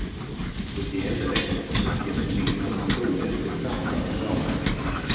Ideell rätt att ge sitt veto mot ett olämpligt framförande av verket.